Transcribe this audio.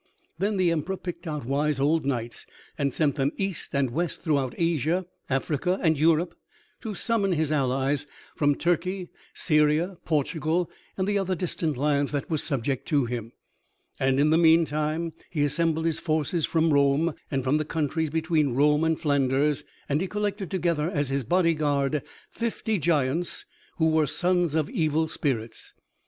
Then the Emperor picked out wise old knights and sent them east and west throughout Asia, Africa, and Europe, to summon his allies from Turkey, Syria, Portugal, and the other distant lands that were subject to him; and in the meantime he assembled his forces from Rome, and from the countries between Rome and Flanders, and he collected together as his bodyguard fifty giants who were sons of evil spirits.